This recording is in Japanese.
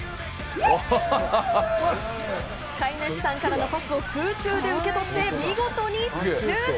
飼い主さんからのパスを空中で受け取って見事にシュート！